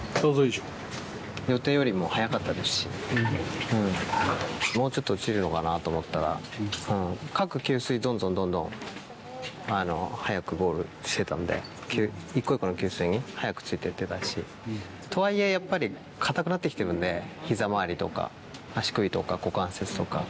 予定よりも速かったですし、もうちょっと落ちるのかなと思ったら、各給水、どんどんどんどん早くゴールしてたんで、一個一個の給水に速くついて、出だし。とはいえやっぱり、硬くなってきてるんで、ひざまわりとか、足首とか股関節とか。